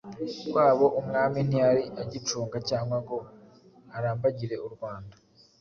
Kwabo Umwami ntiyari agicunga cyangwa ngo arambagire u Rwanda